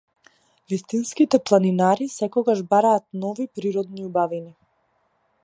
Вистинските планинари секогаш бараат нови природни убавини.